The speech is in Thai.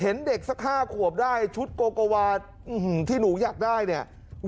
เห็นเด็กสัก๕ขวบได้ชุดโกโกวาที่หนูอยากได้เนี่ย